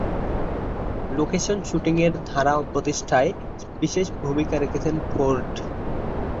Location শুটিংয়ের ধারা প্রতিষ্ঠায় বিশেষ ভূমিকা রেখেছেন ফোর্ড।